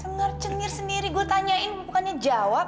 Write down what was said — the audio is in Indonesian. sengar cengir sendiri aku tanya bukan jawab